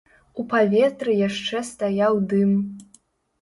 У паветры яшчэ стаяў дым.